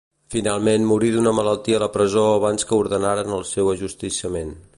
Finalment morí d'una malaltia a la presó abans que ordenaren el seu ajusticiament.